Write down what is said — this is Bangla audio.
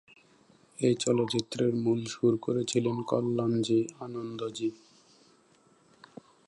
এই চলচ্চিত্রের মূল সুর করেছিলেন কল্যাণজী-আনন্দজী।